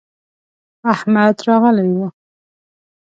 احمد راغلی و.